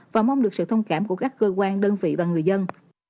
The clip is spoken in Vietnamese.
và mong được sự thông cảm của các cơ quan đơn vị và người dân